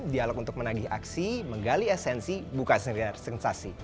dialog untuk menagih aksi menggali esensi buka senjata sensasi